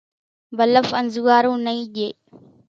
ڀلڦ انزوئارون نئي ڄي